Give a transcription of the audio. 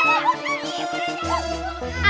gue mau buka